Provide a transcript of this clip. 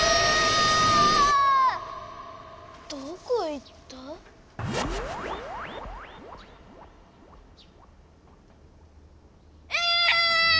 どこ行った？ええ！